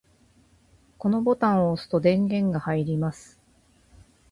このボタンを押すと電源が入ります。